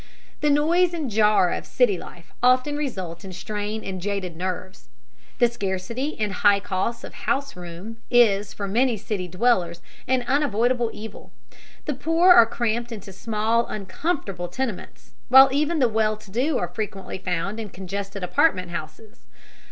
The noise and jar of city life often result in strain and jaded nerves. The scarcity and high cost of house room is, for many city dwellers, an unavoidable evil. The poor are cramped into small, uncomfortable tenements, while even the well to do are frequently found in congested apartment houses.